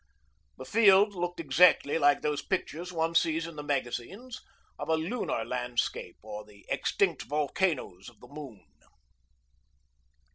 The field looked exactly like those pictures one sees in the magazines of a lunar landscape or the extinct volcanoes of the moon.